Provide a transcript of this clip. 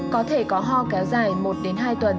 có thể có ho kéo dài một hai tuần